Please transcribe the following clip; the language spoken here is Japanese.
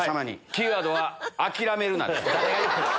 キーワードは「諦めるな」です。